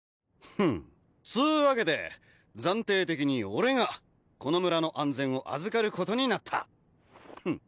フンつうわけで暫定的に俺がこの村の安全を預かることになったフン